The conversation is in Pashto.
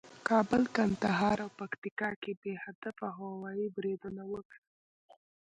کابل، کندهار او پکتیکا کې بې هدفه هوایي بریدونه وکړل